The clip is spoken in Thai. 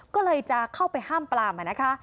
ก็เลยจะเข้าไปห้ามปลามนะคะ